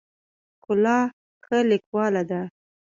ښکلا ښه لیکواله ده.